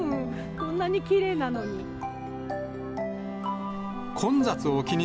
こんなにきれいなのに。